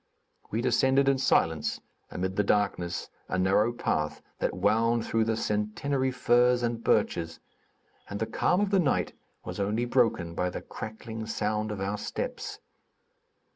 We descended in silence, amid the darkness, a narrow path that wound through the centennary firs and birches, and the calm of the night was only broken by the crackling sound of our steps.